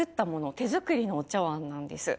手作りのお茶碗なんです。